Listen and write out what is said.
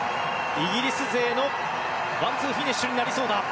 イギリス勢のワンツーフィニッシュになりそうだ。